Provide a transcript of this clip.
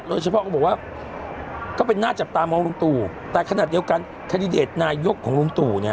เฉพาะก็บอกว่าก็เป็นหน้าจับตามองลุงตู่แต่ขนาดเดียวกันแคนดิเดตนายกของลุงตู่เนี่ย